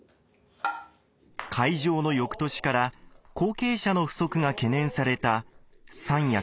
開場の翌年から後継者の不足が懸念された三役